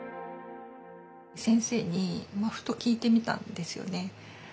先生にふと聞いてみたんですよね。